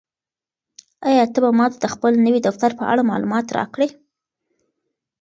آیا ته به ماته د خپل نوي دفتر په اړه معلومات راکړې؟